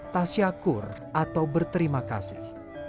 tasyakur atau berterima kasih